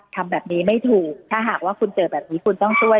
ทำแบบนี้ไม่ถูกถ้าหากว่าคุณเจอแบบนี้คุณต้องช่วย